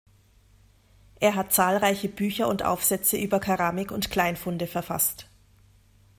Er hat zahlreiche Bücher und Aufsätze über Keramik und Kleinfunde verfasst.